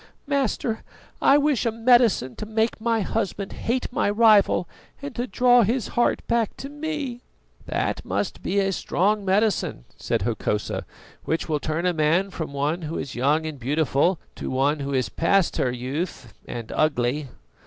"Master, I wish a medicine to make my husband hate my rival and to draw his heart back to me." "That must be a strong medicine," said Hokosa, "which will turn a man from one who is young and beautiful to one who is past her youth and ugly."